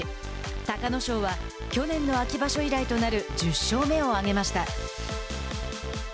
隆の勝は去年の秋場所以来となる１０勝目を挙げました。